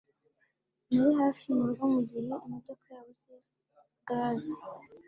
Nari hafi murugo mugihe imodoka yabuze gaze.